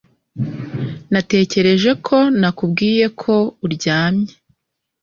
Natekereje ko nakubwiye ko uryamye